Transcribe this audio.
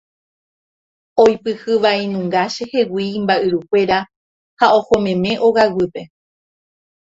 Oipyhy vai nunga chehegui imba'yrukuéra ha ohomeme ogaguýpe.